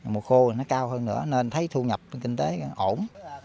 mùa khô thì nó cao hơn nữa nên thấy thu nhập kinh tế ổn